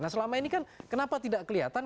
nah selama ini kan kenapa tidak kelihatan